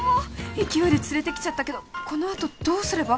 勢いで連れてきちゃったけどこのあとどうすれば？